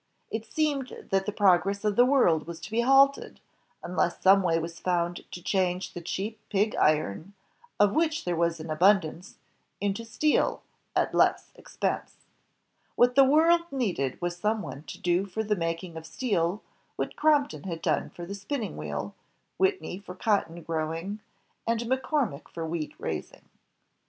It seemed that the progress of the world was to be halted, unless some way was foimd to change the cheap pig iron, of which there was an abundance, into steel, at less expense. What the world needed was some one to do for the making of steel, what Crompton had done for spinning, Whitney for cotton growing, and McCormick for wheat raising.